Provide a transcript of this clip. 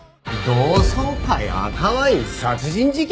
同窓会赤ワイン殺人事件！？